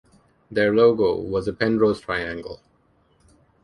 Their logo was a Penrose triangle.